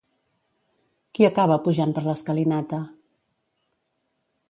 Qui acaba pujant per l'escalinata?